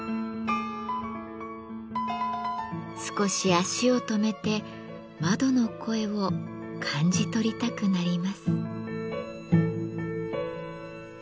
少し足を止めて窓の声を感じ取りたくなります。